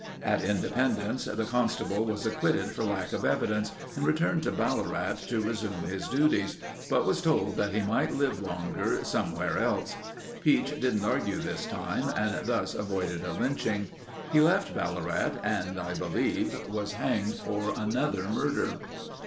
At Independence, the constable was acquitted for lack of evidence and returned to Ballarat to resume his duties, but was told that he might live longer somewhere else. Pietsch didn't argue this time and thus avoided a lynching. He left Ballarat and, I believe, was hanged for another murder.